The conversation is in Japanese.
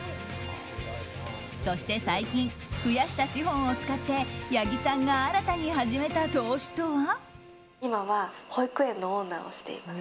そして最近増やした資本を使って八木さんが新たに始めた投資とは？